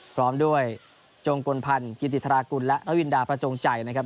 พร้อมด้วยจงกลพันธ์กิติธรากุลและนวินดาประจงใจนะครับ